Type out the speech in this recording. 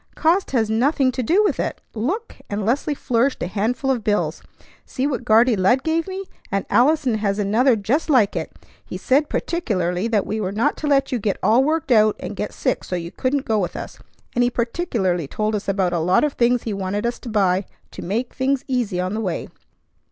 "Cost has nothing to do with it. Look!" and Leslie flourished a handful of bills. "See what Guardy Lud gave me! And Allison has another just like it. He said particularly that we were not to let you get all worked out and get sick so you couldn't go with us, and he particularly told us about a lot of things he wanted us to buy to make things easy on the way.